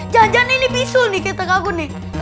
jangan jangan ini bisul nih kayak ketek aku nih